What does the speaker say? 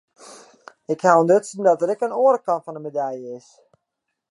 Ik haw ûntdutsen dat der ek in oare kant fan de medalje is.